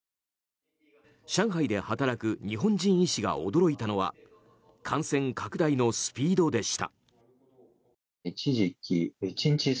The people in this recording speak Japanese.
上海で働く日本人医師が驚いたのは感染拡大のスピードでした。